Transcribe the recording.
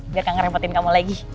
biar gak ngerepotin kamu lagi